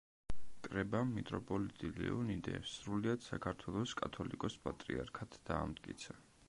კრებამ მიტროპოლიტი ლეონიდე სრულიად საქართველოს კათოლიკოს-პატრიარქად დაამტკიცა.